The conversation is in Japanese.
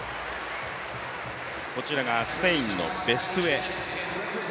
こちらがスペインのベストゥエ。